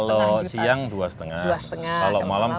kalau siang dua lima kalau malam satu tujuh